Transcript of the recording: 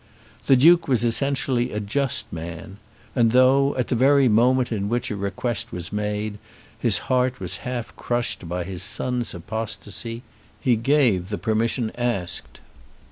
The Duke was essentially a just man; and though, at the very moment in which the request was made, his heart was half crushed by his son's apostasy, he gave the permission asked.